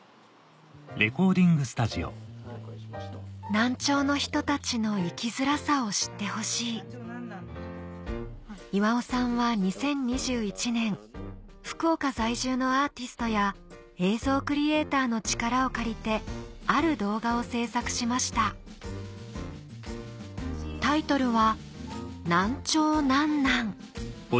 難聴の人たちの生きづらさを知ってほしい岩尾さんは２０２１年福岡在住のアーティストや映像クリエイターの力を借りてある動画を制作しましたタイトルは